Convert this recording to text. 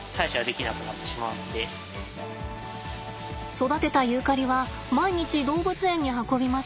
育てたユーカリは毎日動物園に運びます。